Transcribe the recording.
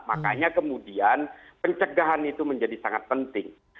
makanya kemudian pencegahan itu menjadi sangat penting